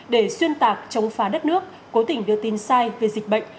để xuyên tạc chống phá đất nước cố tình đưa tin sai về dịch bệnh